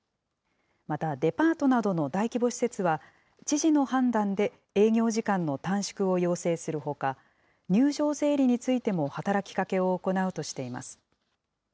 またデパートなどの大規模施設は、知事の判断で営業時間の短縮を要請するほか、入場整理についても働きかけを行うとしています。